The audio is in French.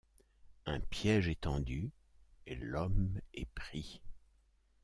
Un piège est tendu, et l'homme est pris.